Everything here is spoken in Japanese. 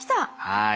はい。